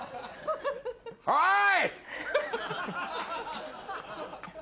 はい！